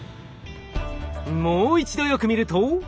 もう一度よく見ると。